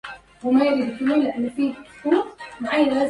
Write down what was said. وقَبيحٌ في الحبِّ حُسْنُ العَزَاءِ